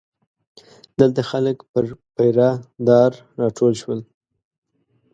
دلته خلک پر پیره دار راټول شول.